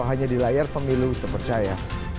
hanya di layar pemilu terpercaya